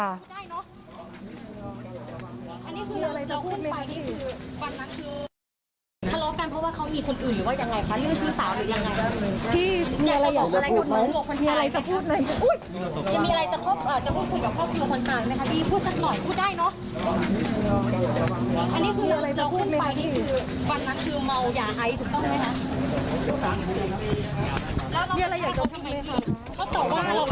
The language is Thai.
อันนี้นี่พูดสักหน่อยพูดได้เนาะ